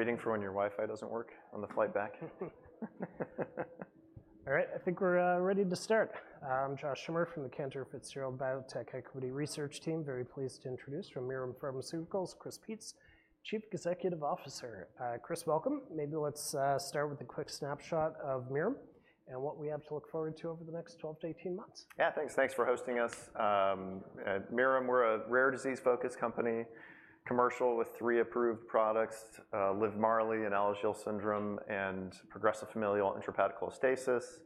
All right, I think we're ready to start. I'm Josh Schimmer from the Cantor Fitzgerald Biotech Equity Research Team. Very pleased to introduce from Mirum Pharmaceuticals, Chris Peetz, Chief Executive Officer. Chris, welcome. Maybe let's start with a quick snapshot of Mirum and what we have to look forward to over the next twelve to eighteen months. Yeah, thanks. Thanks for hosting us. At Mirum, we're a rare disease-focused company, commercial with three approved products: Livmarli in Alagille syndrome and progressive familial intrahepatic cholestasis,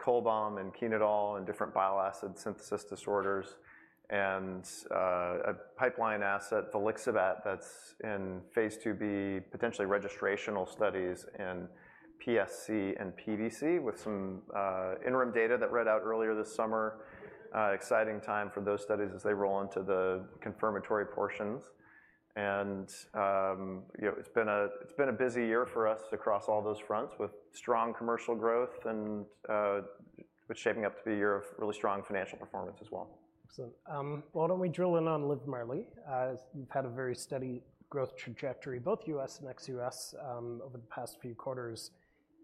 Cholbam and Chenodal and different bile acid synthesis disorders, and a pipeline asset, Volixibat, that's in phase IIb, potentially registrational studies in PSC and PBC, with some interim data that read out earlier this summer. Exciting time for those studies as they roll into the confirmatory portions. You know, it's been a busy year for us across all those fronts, with strong commercial growth and it's shaping up to be a year of really strong financial performance as well. Excellent. Why don't we drill in on Livmarli? You've had a very steady growth trajectory, both US and ex-US, over the past few quarters.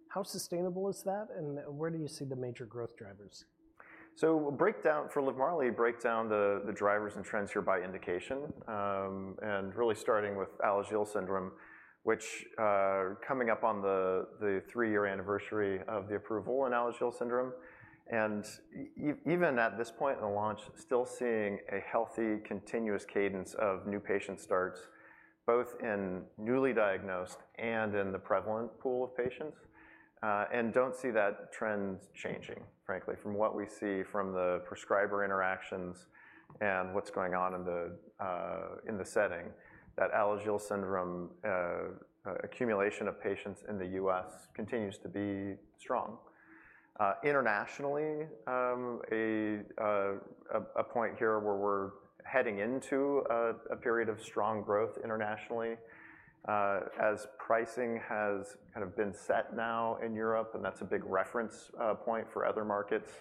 How sustainable is that, and where do you see the major growth drivers? For Livmarli, break down the drivers and trends here by indication. And really starting with Alagille syndrome, which coming up on the three-year anniversary of the approval in Alagille syndrome. And even at this point in the launch, still seeing a healthy, continuous cadence of new patient starts, both in newly diagnosed and in the prevalent pool of patients, and don't see that trend changing, frankly. From what we see from the prescriber interactions and what's going on in the setting, that Alagille syndrome accumulation of patients in the US continues to be strong. Internationally, a point here where we're heading into a period of strong growth internationally, as pricing has kind of been set now in Europe, and that's a big reference point for other markets.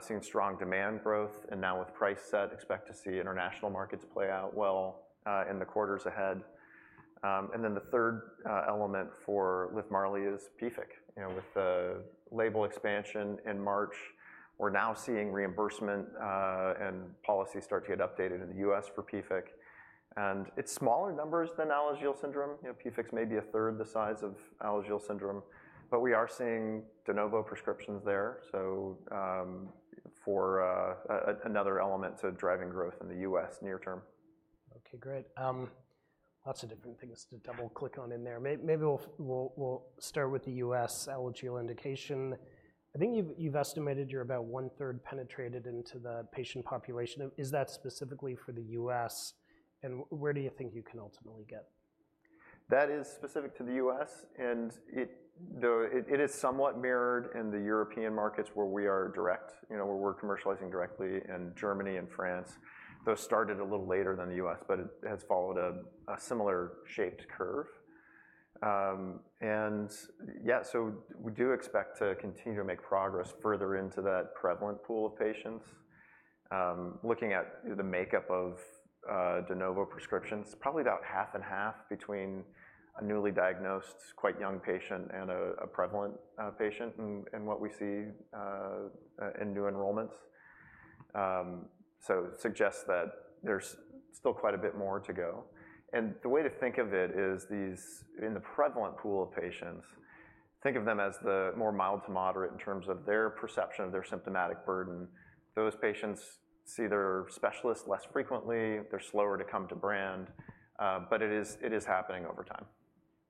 Seeing strong demand growth, and now with price set, expect to see international markets play out well in the quarters ahead. Then the third element for Livmarli is PFIC. You know, with the label expansion in March, we're now seeing reimbursement and policy start to get updated in the U.S. for PFIC. It's smaller numbers than Alagille syndrome, you know, PFIC's maybe a third the size of Alagille syndrome, but we are seeing de novo prescriptions there, so another element to driving growth in the U.S. near term. Okay, great. Lots of different things to double-click on in there. Maybe we'll start with the U.S. Alagille indication. I think you've estimated you're about one-third penetrated into the patient population. Is that specifically for the U.S., and where do you think you can ultimately get? That is specific to the U.S., and though it is somewhat mirrored in the European markets where we are direct, you know, where we're commercializing directly in Germany and France. Those started a little later than the U.S., but it has followed a similar shaped curve. Yeah, so we do expect to continue to make progress further into that prevalent pool of patients. Looking at the makeup of de novo prescriptions, probably about half and half between a newly diagnosed, quite young patient and a prevalent patient in what we see in new enrollments. It suggests that there's still quite a bit more to go. The way to think of it is these, in the prevalent pool of patients, think of them as the more mild to moderate in terms of their perception of their symptomatic burden. Those patients see their specialists less frequently, they're slower to come to brand, but it is happening over time.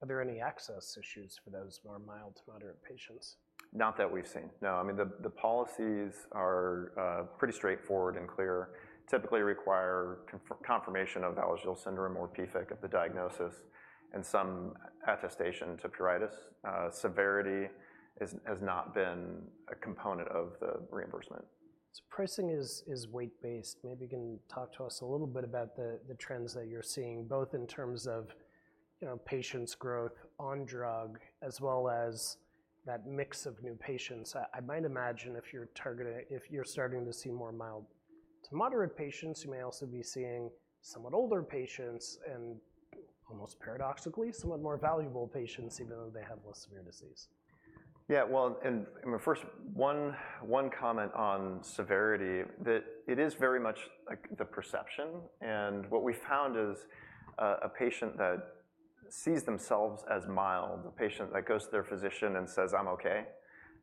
Are there any access issues for those more mild to moderate patients? Not that we've seen, no. I mean, the policies are pretty straightforward and clear, typically require confirmation of Alagille syndrome or PFIC of the diagnosis, and some attestation to pruritus. Severity has not been a component of the reimbursement. Pricing is weight-based. Maybe you can talk to us a little bit about the trends that you're seeing, both in terms of, you know, patients' growth on drug, as well as that mix of new patients. I might imagine if you're starting to see more mild to moderate patients, you may also be seeing somewhat older patients and, almost paradoxically, somewhat more valuable patients, even though they have less severe disease. Yeah, well, and, I mean, first, one comment on severity, that it is very much, like, the perception, and what we found is, a patient that sees themselves as mild, a patient that goes to their physician and says, "I'm okay,"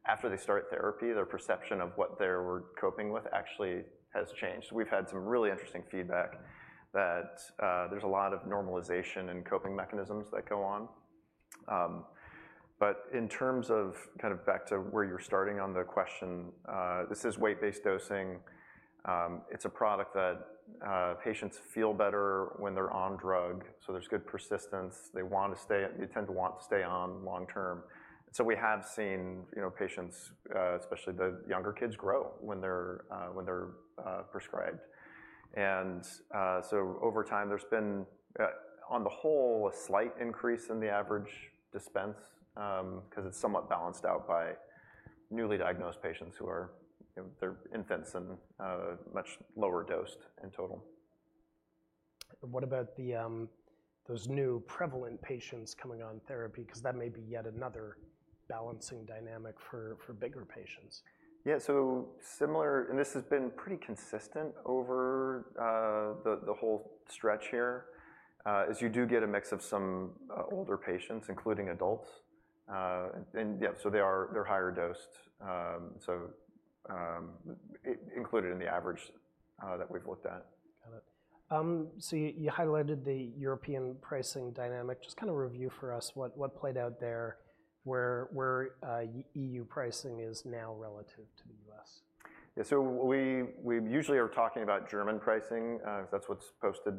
after they start therapy, their perception of what they were coping with actually has changed. We've had some really interesting feedback that, there's a lot of normalization and coping mechanisms that go on. But in terms of kind of back to where you were starting on the question, this is weight-based dosing. It's a product that, patients feel better when they're on drug, so there's good persistence. They want to stay - they tend to want to stay on long term. So we have seen, you know, patients, especially the younger kids, grow when they're prescribed. So over time, there's been, on the whole, a slight increase in the average dispense, 'cause it's somewhat balanced out by newly diagnosed patients who are, you know, they're infants and much lower dosed in total. And what about the, those new prevalent patients coming on therapy? Cause that may be yet another balancing dynamic for bigger patients. Yeah, so similar, and this has been pretty consistent over the whole stretch here is you do get a mix of some older patients, including adults. And yeah, so they're higher dosed. So included in the average that we've looked at. Got it. So you highlighted the European pricing dynamic. Just kind of review for us what played out there, where the EU pricing is now relative to the U.S. Yeah, so we usually are talking about German pricing, because that's what's posted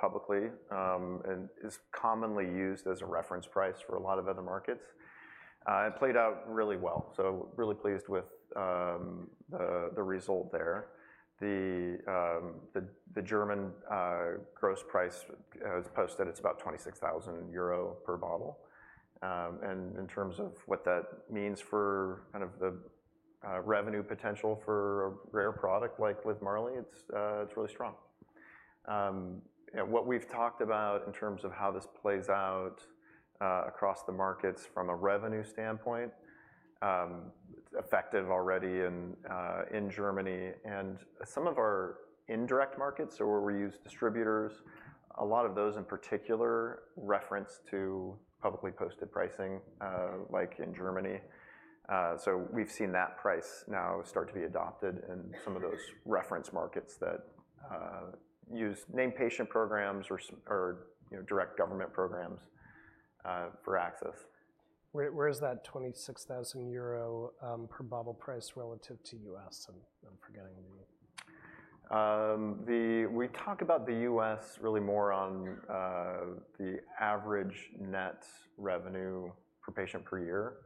publicly, and is commonly used as a reference price for a lot of other markets. It played out really well, so really pleased with the result there. The German gross price, as posted, it's about 26,000 euro per bottle. And in terms of what that means for kind of the revenue potential for a rare product like Livmarli, it's really strong. And what we've talked about in terms of how this plays out across the markets from a revenue standpoint, it's effective already in Germany. And some of our indirect markets, so where we use distributors, a lot of those in particular reference to publicly posted pricing, like in Germany. So we've seen that price now start to be adopted in some of those reference markets that use named patient programs or, you know, direct government programs for access. Where is that 26,000 euro per bottle price relative to the U.S.? I'm forgetting the.. We talk about the U.S. really more on the average net revenue per patient per year.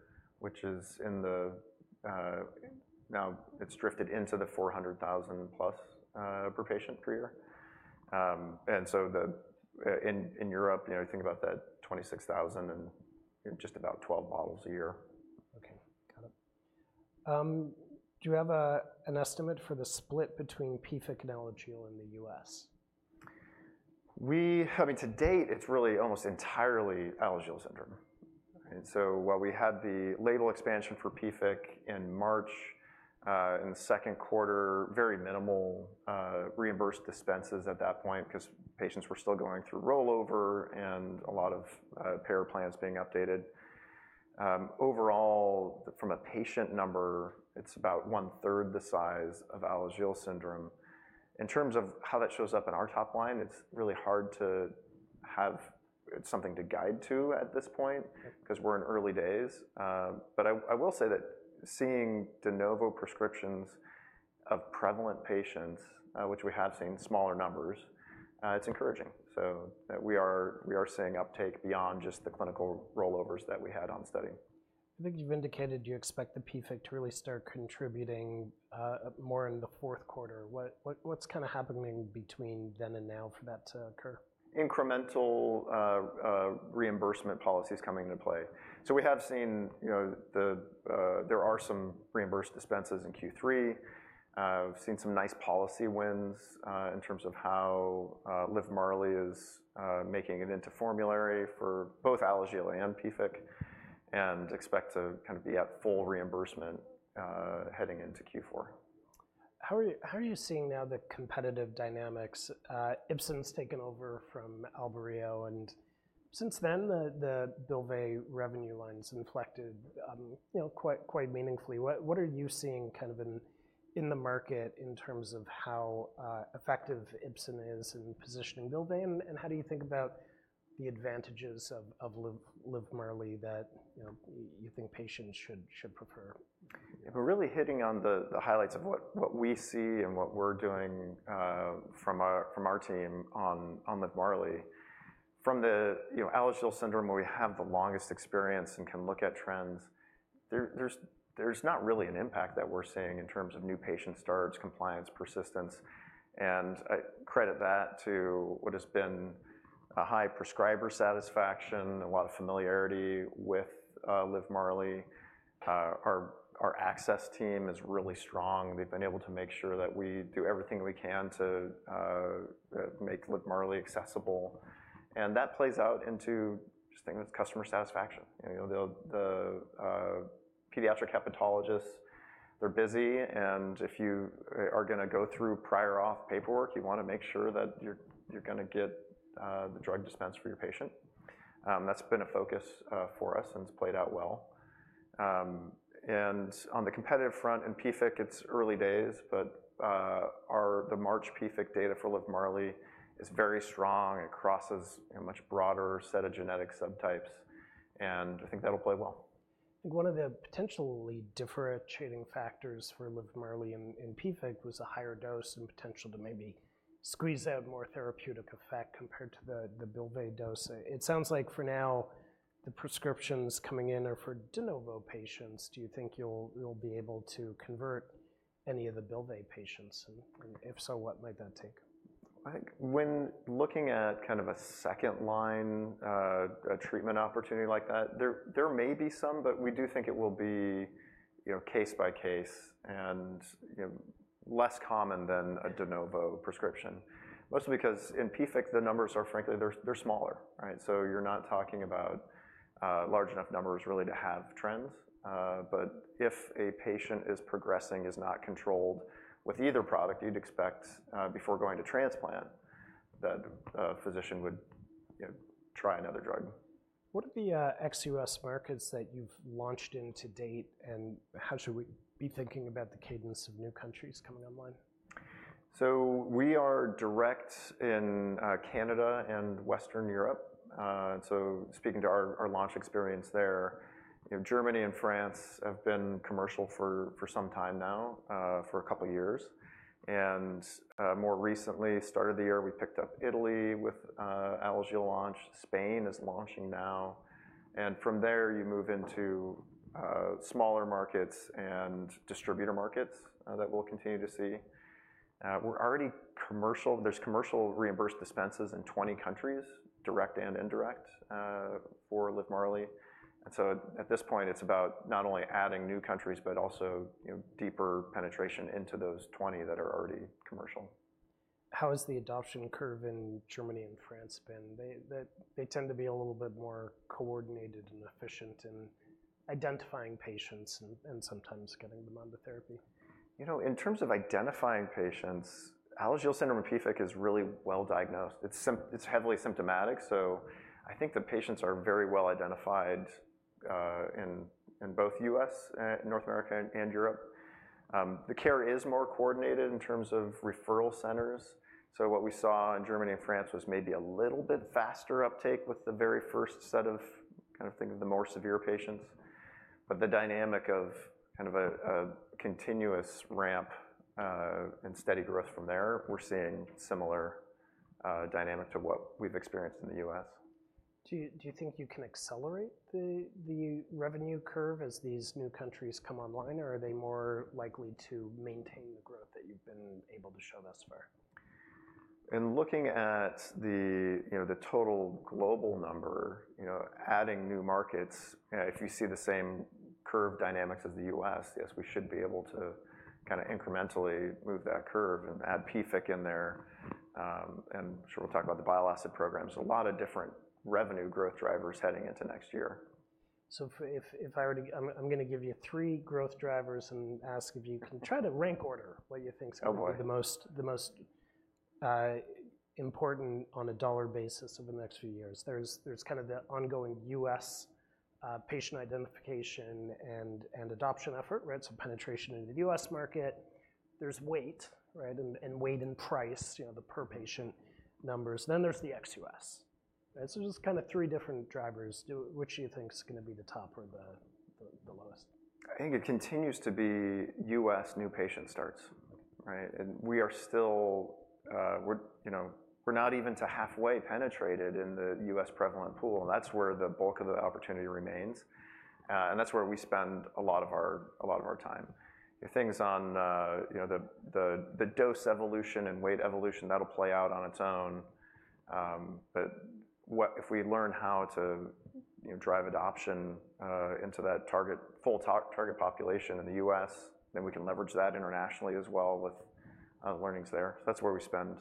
Now, it's drifted into the $400,000 plus per patient per year. And so in Europe, you know, you think about that 26,000, and you're just about 12 bottles a year. Okay, got it. Do you have an estimate for the split between PFIC and Alagille in the U.S.? I mean, to date, it's really almost entirely Alagille syndrome. Okay. And so while we had the label expansion for PFIC in March, in the second quarter, very minimal reimbursed dispenses at that point, 'cause patients were still going through rollover and a lot of payer plans being updated. Overall, from a patient number, it's about one-third the size of Alagille syndrome. In terms of how that shows up in our top line, it's really hard to have something to guide to at this point cause we're in early days. But I will say that seeing de novo prescriptions of prevalent patients, which we have seen in smaller numbers, it's encouraging, so, we are seeing uptake beyond just the clinical rollovers that we had on study. I think you've indicated you expect the PFIC to really start contributing more in the fourth quarter. What's kinda happening between then and now for that to occur? Incremental reimbursement policies coming into play. So we have seen, you know, there are some reimbursed dispenses in Q3. We've seen some nice policy wins, in terms of how Livmarli is making it into formulary for both Alagille and PFIC, and expect to kind of be at full reimbursement, heading into Q4. How are you, how are you seeing now the competitive dynamics? Ipsen's taken over from Albireo, and since then, the Bylvay revenue line's inflected, you know, quite meaningfully. What are you seeing kind of in the market in terms of how effective Ipsen is in positioning Bylvay, and how do you think about the advantages of Livmarli that, you know, you think patients should prefer? If we're really hitting on the highlights of what we see and what we're doing, from our team on Livmarli, from the, you know, Alagille syndrome, where we have the longest experience and can look at trends, there's not really an impact that we're seeing in terms of new patient starts, compliance, persistence. And I credit that to what has been a high prescriber satisfaction, a lot of familiarity with Livmarli. Our access team is really strong. They've been able to make sure that we do everything we can to make Livmarli accessible, and that plays out into, just think it's customer satisfaction. You know, the pediatric hepatologists, they're busy, and if you are gonna go through prior auth paperwork, you wanna make sure that you're gonna get the drug dispensed for your patient. That's been a focus for us, and it's played out well. And on the competitive front, in PFIC, it's early days, but the March PFIC data for Livmarli is very strong. It crosses a much broader set of genetic subtypes, and I think that'll play well. One of the potentially differentiating factors for Livmarli in PFIC was a higher dose and potential to maybe squeeze out more therapeutic effect compared to the Bylvay dose. It sounds like, for now, the prescriptions coming in are for de novo patients. Do you think you'll be able to convert any of the Bylvay patients, and if so, what might that take? I think when looking at kind of a second line treatment opportunity like that, there may be some, but we do think it will be, you know, case by case, you know, less common than a de novo prescription. Mostly because in PFIC the numbers are frankly, they're smaller, right? So you're not talking about large enough numbers really to have trends. But if a patient is progressing, is not controlled with either product, you'd expect, before going to transplant, that a physician would, you know, try another drug. What are the ex-U.S. markets that you've launched in to date, and how should we be thinking about the cadence of new countries coming online? We are direct in Canada and Western Europe. Speaking to our launch experience there, you know, Germany and France have been commercial for some time now, for a couple of years. More recently, start of the year, we picked up Italy with Alagille launch. Spain is launching now, and from there you move into smaller markets and distributor markets that we'll continue to see. We're already commercial. There's commercial reimbursed dispenses in 20 countries, direct and indirect, for Livmarli. At this point, it's about not only adding new countries, but also, you know, deeper penetration into those 20 that are already commercial. How has the adoption curve in Germany and France been? They tend to be a little bit more coordinated and efficient in identifying patients and sometimes getting them on the therapy. You know, in terms of identifying patients, Alagille syndrome and PFIC is really well diagnosed. It's heavily symptomatic, so I think the patients are very well identified in both U.S., North America and Europe. The care is more coordinated in terms of referral centers, so what we saw in Germany and France was maybe a little bit faster uptake with the very first set of kind of think of the more severe patients. But the dynamic of kind of a continuous ramp and steady growth from there, we're seeing similar dynamic to what we've experienced in the U.S. Do you think you can accelerate the revenue curve as these new countries come online, or are they more likely to maintain the growth that you've been able to show thus far? In looking at the, you know, the total global number, you know, adding new markets, if you see the same curve dynamics as the U.S., yes, we should be able to kinda incrementally move that curve and add PFIC in there. And sure, we'll talk about the bile acid programs. A lot of different revenue growth drivers heading into next year. So if I were to... I'm gonna give you three growth drivers and ask if you can try to rank order what you think- Oh, boy! is the most important on a dollar basis over the next few years. There's kind of the ongoing U.S. patient identification and adoption effort, right? So penetration in the U.S. market. There's weight, right? And weight and price, you know, the per patient numbers. Then there's the ex-U.S., right? So just kinda three different drivers. Which do you think is gonna be the top or the lowest? I think it continues to be U.S. new patient starts, right? We are still, you know, not even halfway penetrated in the U.S. prevalent pool, and that's where the bulk of the opportunity remains. And that's where we spend a lot of our time. The things on, you know, the dose evolution and weight evolution, that'll play out on its own. But if we learn how to, you know, drive adoption into that full target population in the U.S., then we can leverage that internationally as well with learnings there. That's where we spend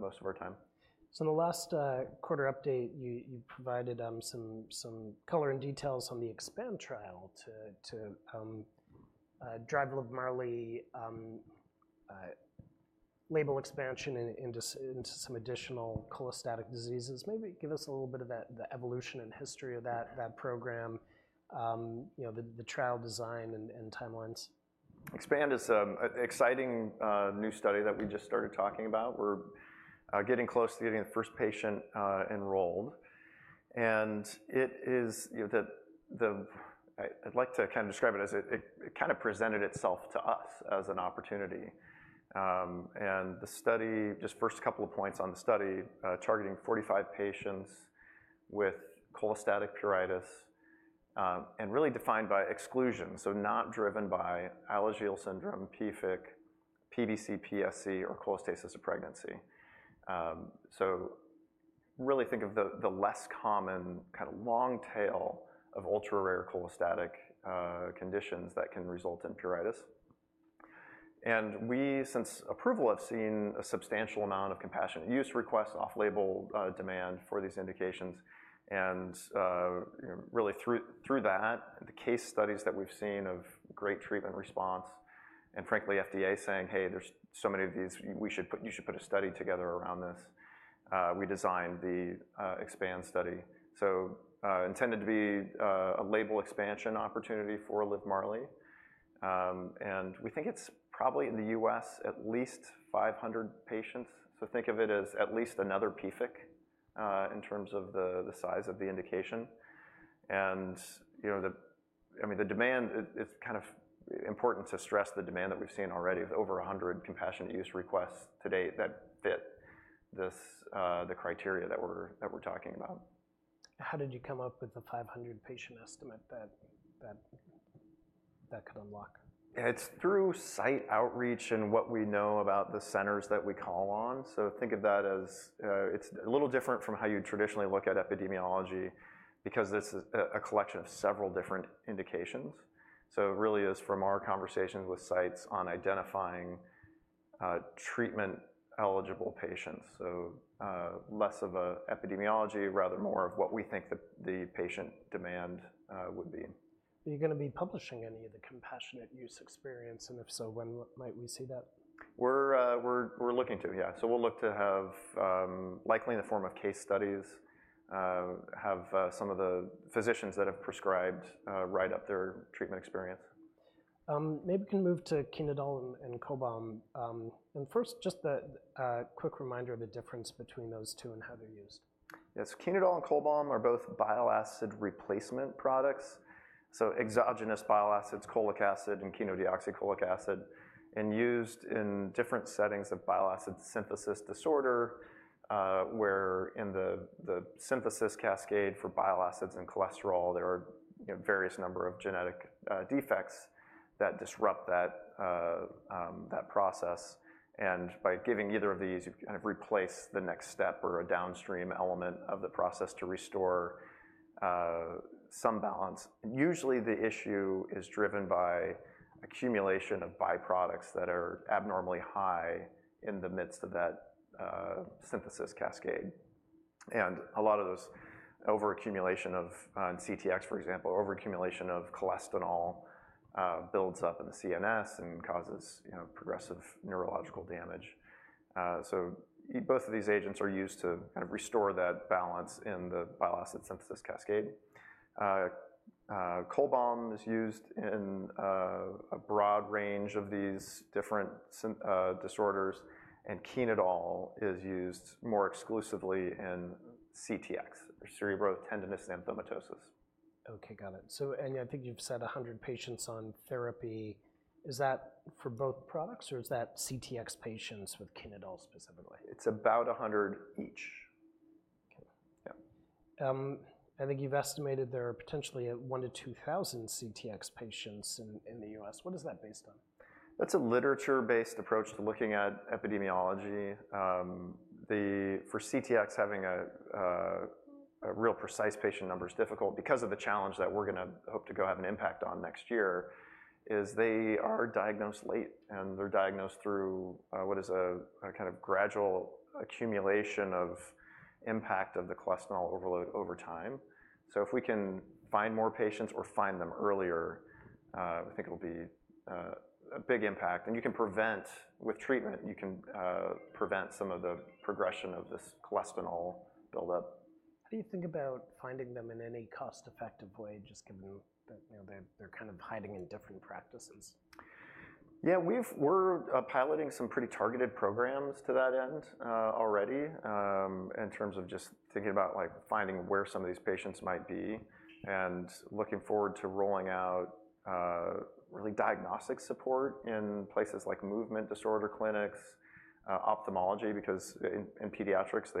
most of our time. So in the last quarter update, you provided some color and details on the EXPAND trial to drive Livmarli label expansion into some additional cholestatic diseases. Maybe give us a little bit of that, the evolution and history of that program, you know, the trial design and timelines. EXPAND is a exciting new study that we just started talking about. We're getting close to getting the first patient enrolled, and it is. You know, the I, I'd like to kind of describe it as it kind of presented itself to us as an opportunity. And the study, just first couple of points on the study, targeting 45 patients with cholestatic pruritus, and really defined by exclusion, so not driven by Alagille syndrome, PFIC, PBC, PSC, or cholestasis of pregnancy. So really think of the less common, kind of long tail of ultra-rare cholestatic conditions that can result in pruritus. And we, since approval, have seen a substantial amount of compassionate use requests, off-label demand for these indications. You know, really through that, the case studies that we've seen of great treatment response, and frankly, FDA saying, "Hey, there's so many of these, you should put a study together around this," we designed the EXPAND study. Intended to be a label expansion opportunity for Livmarli. We think it's probably in the U.S., at least 500 patients. Think of it as at least another PFIC in terms of the size of the indication. You know, I mean, the demand, it's kind of important to stress the demand that we've seen already of over 100 compassionate use requests to date that fit this, the criteria that we're talking about. How did you come up with the five hundred patient estimate that could unlock? It's through site outreach and what we know about the centers that we call on, so think of that as it's a little different from how you traditionally look at epidemiology, because this is a collection of several different indications, so it really is from our conversations with sites on identifying treatment-eligible patients, so less of an epidemiology, rather more of what we think the patient demand would be. Are you gonna be publishing any of the compassionate use experience? And if so, when might we see that? We're looking to, yeah, so we'll look to have, likely in the form of case studies, some of the physicians that have prescribed write up their treatment experience. Maybe we can move to Chenodal and Cholbam, and first, just a quick reminder of the difference between those two and how they're used. Yes. Chenodal and Cholbam are both bile acid replacement products, so exogenous bile acids, cholic acid, and chenodeoxycholic acid, and used in different settings of bile acid synthesis disorder, where in the, the synthesis cascade for bile acids and cholesterol, there are, you know, various number of genetic, defects that disrupt that, that process. And by giving either of these, you kind of replace the next step or a downstream element of the process to restore, some balance. And usually the issue is driven by accumulation of byproducts that are abnormally high in the midst of that, synthesis cascade. And a lot of those overaccumulation of, in CTX, for example, overaccumulation of cholestanol, builds up in the CNS and causes, you know, progressive neurological damage. So both of these agents are used to kind of restore that balance in the bile acid synthesis cascade. Cholbam is used in a broad range of these different synthesis disorders, and Chenodal is used more exclusively in CTX, or cerebrotendinous xanthomatosis. Okay, got it. So, and I think you've said a hundred patients on therapy. Is that for both products, or is that CTX patients with Chenodal specifically? It's about 100 each. Okay. Yeah. I think you've estimated there are potentially one to two thousand CTX patients in the U.S. What is that based on? That's a literature-based approach to looking at epidemiology. The for CTX, having a real precise patient number is difficult because of the challenge that we're gonna hope to go have an impact on next year, is they are diagnosed late, and they're diagnosed through what is a kind of gradual accumulation of impact of the cholestanol overload over time. So if we can find more patients or find them earlier, I think it'll be a big impact, and you can prevent... With treatment, you can prevent some of the progression of this cholestanol buildup. How do you think about finding them in any cost-effective way, just given that, you know, they're kind of hiding in different practices? Yeah, we're piloting some pretty targeted programs to that end, already, in terms of just thinking about, like, finding where some of these patients might be, and looking forward to rolling out really diagnostic support in places like movement disorder clinics, ophthalmology, because in pediatrics,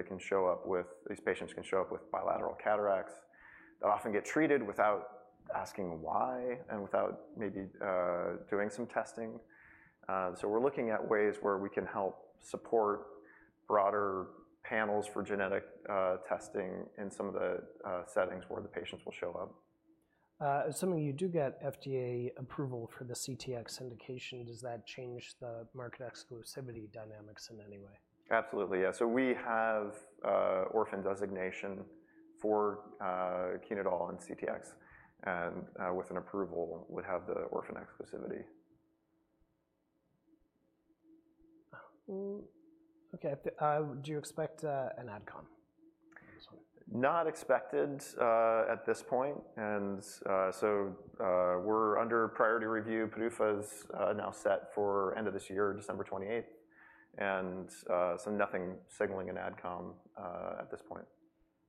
these patients can show up with bilateral cataracts. They'll often get treated without asking why, and without maybe doing some testing. So we're looking at ways where we can help support broader panels for genetic testing in some of the settings where the patients will show up. Assuming you do get FDA approval for the CTX indication, does that change the market exclusivity dynamics in any way? Absolutely, yeah. So we have orphan designation for Chenodal and CTX, and with an approval, would have the orphan exclusivity. Oh, okay. Do you expect an AdCom? Not expected at this point, and so we're under priority review. PDUFA is now set for end of this year, December twenty-eighth, and so nothing signaling an AdCom at this point.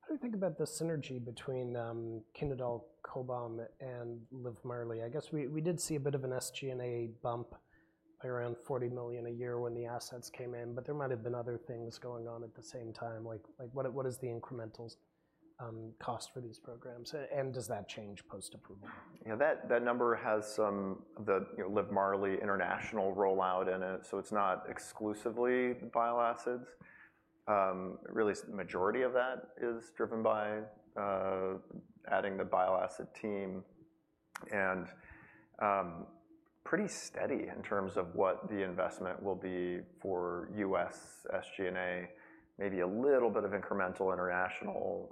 How do you think about the synergy between Chenodal, Cholbam, and Livmarli? I guess we did see a bit of an SG&A bump by around $40 million a year when the assets came in, but there might have been other things going on at the same time. What is the incremental cost for these programs, and does that change post-approval? Yeah, that number has, you know, Livmarli international rollout in it, so it's not exclusively bile acids. Really, majority of that is driven by adding the bile acid team, and pretty steady in terms of what the investment will be for U.S. SG&A, maybe a little bit of incremental international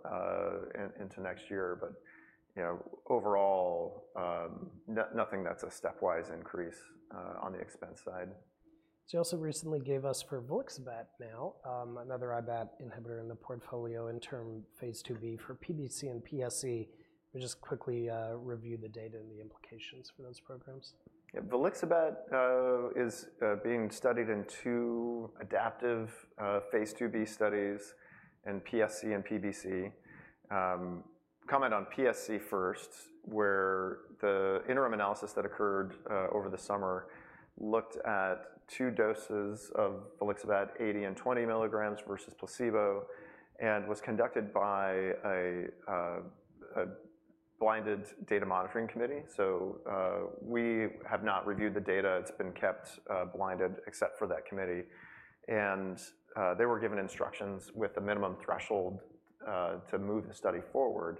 into next year, but you know, overall, nothing that's a stepwise increase on the expense side. So you also recently gave us for Volixibat now, another IBAT inhibitor in the portfolio, interim phase IIb for PBC and PSC. We'll just quickly review the data and the implications for those programs. Yeah, Volixibat is being studied in two adaptive phase IIb studies in PSC and PBC. Comment on PSC first, where the interim analysis that occurred over the summer looked at two doses of Volixibat, 80 and 20 milligrams, versus placebo, and was conducted by a blinded data monitoring committee. So, we have not reviewed the data. It's been kept blinded, except for that committee, and they were given instructions with a minimum threshold to move the study forward.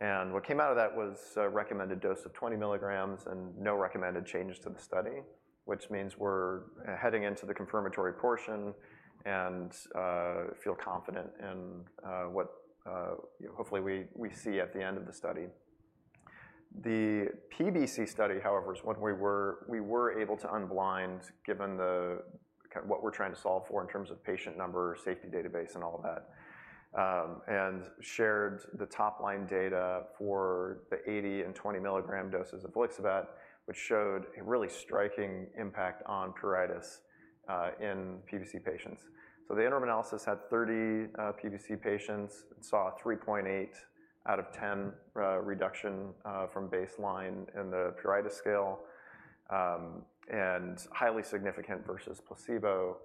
And what came out of that was a recommended dose of 20 milligrams and no recommended changes to the study, which means we're heading into the confirmatory portion and feel confident in what you know, hopefully we see at the end of the study. The PBC study, however, is one we were able to unblind, given what we're trying to solve for in terms of patient number, safety database, and all of that, and shared the top-line data for the 80- and 20-milligram doses of Volixibat, which showed a really striking impact on pruritus in PBC patients, so the interim analysis had 30 PBC patients and saw a 3.8 out of 10 reduction from baseline in the pruritus scale, and highly significant versus placebo,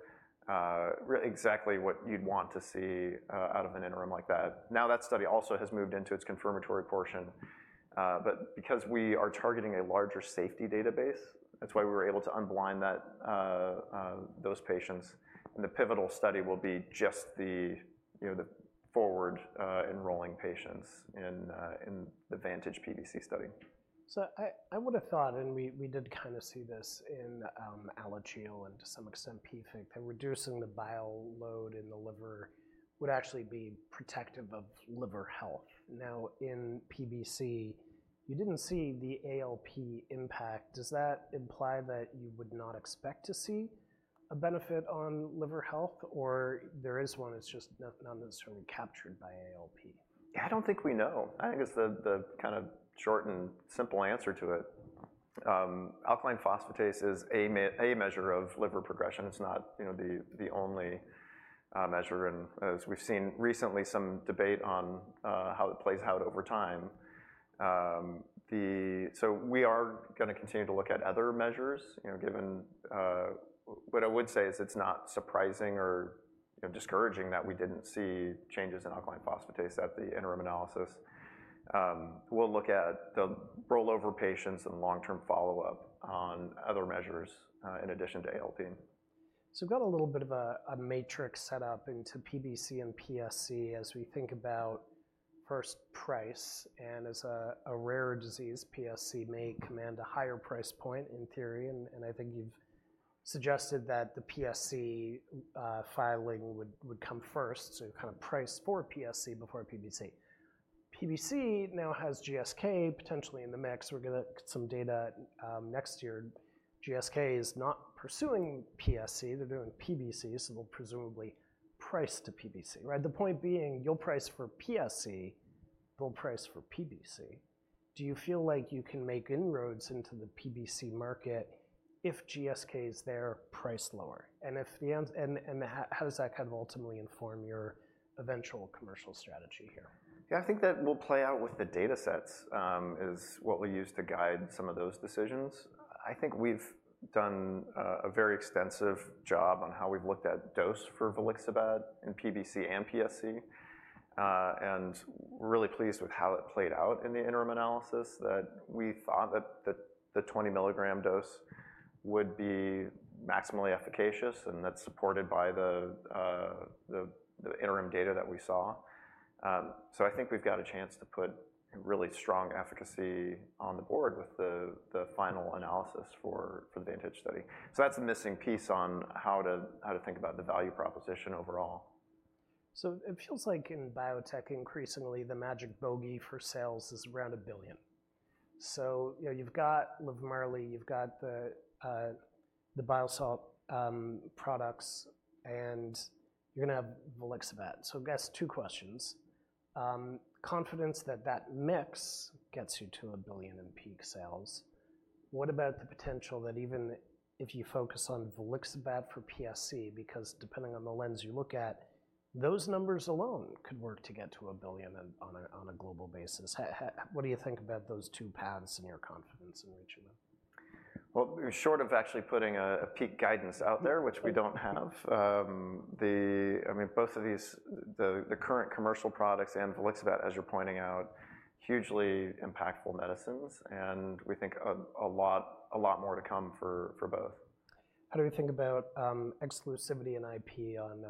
exactly what you'd want to see out of an interim like that. Now, that study also has moved into its confirmatory portion, but because we are targeting a larger safety database, that's why we were able to unblind that those patients. The pivotal study will be just the, you know, the forward, enrolling patients in the VANTAGE PBC study. I would have thought, and we did kinda see this in Alagille and to some extent, PFIC, that reducing the bile load in the liver would actually be protective of liver health. Now, in PBC, you didn't see the ALP impact. Does that imply that you would not expect to see a benefit on liver health, or there is one, it's just not necessarily captured by ALP? Yeah, I don't think we know. I think it's the kinda short and simple answer to it. Alkaline phosphatase is a measure of liver progression. It's not, you know, the only measure, and as we've seen recently, some debate on how it plays out over time. So we are gonna continue to look at other measures, you know, given. What I would say is it's not surprising or, you know, discouraging that we didn't see changes in alkaline phosphatase at the interim analysis. We'll look at the rollover patients and long-term follow-up on other measures in addition to ALP. So we've got a little bit of a matrix set up into PBC and PSC as we think about first price, and as a rare disease, PSC may command a higher price point in theory, and I think you've suggested that the PSC filing would come first, so kind of price for PSC before PBC. PBC now has GSK potentially in the mix. We're gonna get some data next year. GSK is not pursuing PSC, they're doing PBC, so they'll presumably price to PBC, right? The point being, you'll price for PSC, they'll price for PBC. Do you feel like you can make inroads into the PBC market if GSK is there, price lower? And if the end and how does that kind of ultimately inform your eventual commercial strategy here? Yeah, I think that will play out with the datasets, is what we'll use to guide some of those decisions. I think we've done a very extensive job on how we've looked at dose for Volixibat in PBC and PSC, and we're really pleased with how it played out in the interim analysis, that we thought that the 20 milligram dose would be maximally efficacious, and that's supported by the interim data that we saw. So I think we've got a chance to put a really strong efficacy on the board with the final analysis for the VANTAGE study. So that's a missing piece on how to think about the value proposition overall. So it feels like in biotech, increasingly, the magic bogey for sales is around a billion. So, you know, you've got Livmarli, you've got the Cholbam products, and you're gonna have volixibat. So I guess two questions. Confidence that that mix gets you to a billion in peak sales, what about the potential that even if you focus on volixibat for PSC, because depending on the lens you look at, those numbers alone could work to get to a billion on a global basis. What do you think about those two paths and your confidence in reaching them? Well, short of actually putting a peak guidance out there, which we don't have, the—I mean, both of these, the current commercial products and Volixibat, as you're pointing out, hugely impactful medicines, and we think a lot more to come for both. How do we think about, exclusivity and IP on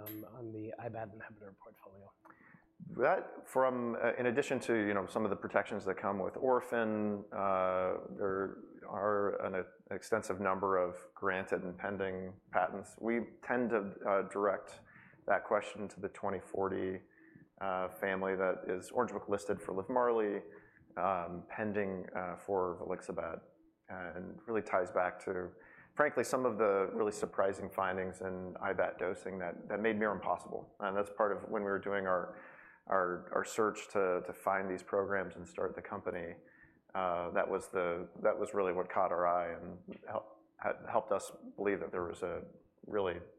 the IBAT inhibitor portfolio? That from, in addition to, you know, some of the protections that come with Orphan, there are an extensive number of granted and pending patents. We tend to direct that question to the 2040 family that is Orange Book listed for Livmarli, pending for Volixibat, and really ties back to, frankly, some of the really surprising findings in IBAT dosing that made Mirum possible. And that's part of when we were doing our search to find these programs and start the company, that was really what caught our eye and helped us believe that there was a really high.